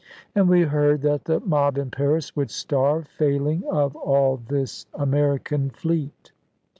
And we heard that the mob in Paris would starve, failing of all this American fleet.